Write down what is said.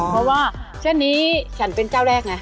เพราะว่าเช่นนี้ฉันเป็นเจ้าแรกไง